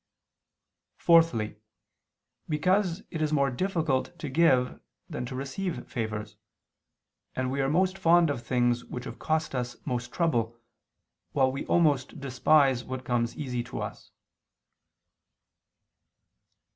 Fourthly because it is more difficult to give than to receive favors: and we are most fond of things which have cost us most trouble, while we almost despise what comes easy to us.